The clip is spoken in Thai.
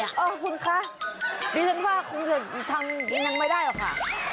หรอคุณคะคุณจะทำกินของนางไม่ได้หรอค่ะ